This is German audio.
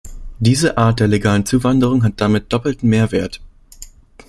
Diese Art der legalen Zuwanderung hat damit doppelten Mehrwert.